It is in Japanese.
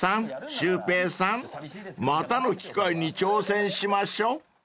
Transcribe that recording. シュウペイさんまたの機会に挑戦しましょう］